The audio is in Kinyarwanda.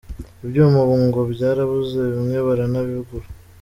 Ibyuma ubu ngo byarabuze bimwe baranabigura.